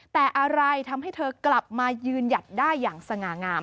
แต่อะไรทำให้เธอกลับมายืนหยัดได้อย่างสง่างาม